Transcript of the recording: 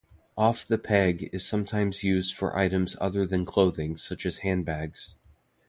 Off-the-peg is sometimes used for items other than clothing such as handbags.